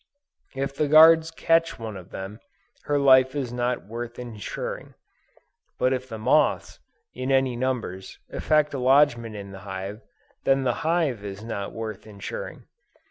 If the guards catch one of them, her life is not worth insuring. But if the moths, in any numbers, effect a lodgment in the hive, then the hive is not worth insuring.